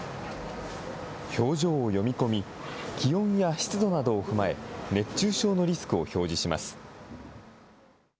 表情を読み込み、気温や湿度などを踏まえ、熱中症のリスクを表示します。